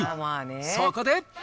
そこで。